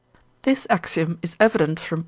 (This axiom is evident from III.